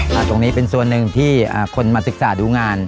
ตรงนี้เป็นส่วนหนึ่งที่คนมาศึกษาดูงาน